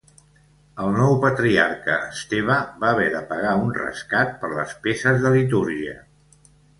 El nou patriarca Esteve va haver de pagar un rescat per les peces de litúrgia.